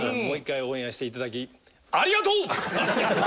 もう一回オンエアしていただきありがとう！